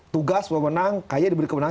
tugas kewenangan kay diberi kewenangan